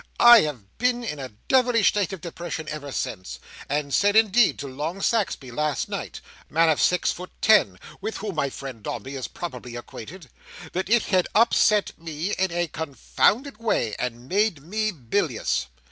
I have been in a devilish state of depression ever since; and said indeed to Long Saxby last night—man of six foot ten, with whom my friend Dombey is probably acquainted—that it had upset me in a confounded way, and made me bilious.